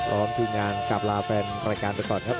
พร้อมทีมงานกลับลาแฟนรายการไปก่อนครับ